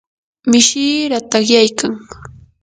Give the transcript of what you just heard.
mishii ratakyaykan.